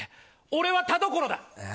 俺は田所だ。